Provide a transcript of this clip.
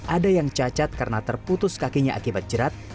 ada yang cacat karena terputus kakinya akibat jerat